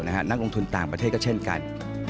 นักลงทุนต่างประเทศก็เช่นกัน